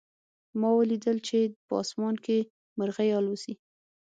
ما ولیدل چې په آسمان کې مرغۍ الوزي